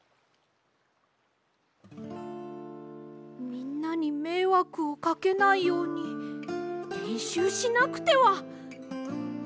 みんなにめいわくをかけないようにれんしゅうしなくては！